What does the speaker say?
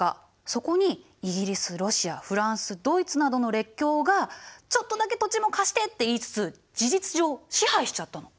そこにイギリスロシアフランスドイツなどの列強が「ちょっとだけ土地も貸して！」って言いつつ事実上支配しちゃったの。